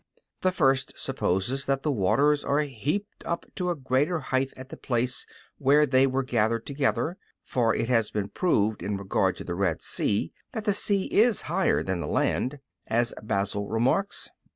The first supposes that the waters are heaped up to a greater height at the place where they were gathered together, for it has been proved in regard to the Red Sea, that the sea is higher than the land, as Basil remarks (Hom.